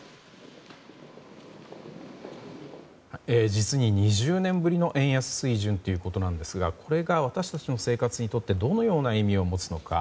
実に２０年ぶりの円安水準ということですがこれが私たちの生活にとってどのような意味を持つのか。